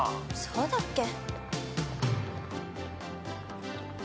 そうだっけ？